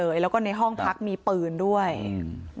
ไม่อยากให้ต้องมีการศูนย์เสียกับผมอีก